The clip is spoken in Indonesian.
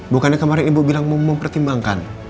bukannya kemarin ibu bilang mempertimbangkan